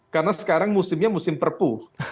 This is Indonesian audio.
karena sekarang musimnya musim perpu